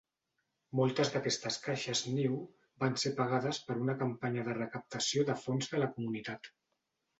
Moltes d'aquestes caixes niu van ser pagades per una campanya de recaptació de fons de la comunitat.